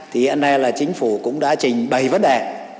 thì hiện nay là chính phủ cũng đã trình bày vấn đề